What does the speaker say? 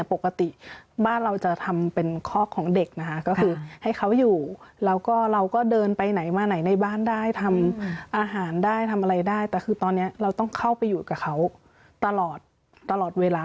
ปกติบ้านเราจะทำเป็นคอกของเด็กนะคะก็คือให้เขาอยู่แล้วก็เราก็เดินไปไหนมาไหนในบ้านได้ทำอาหารได้ทำอะไรได้แต่คือตอนนี้เราต้องเข้าไปอยู่กับเขาตลอดตลอดเวลา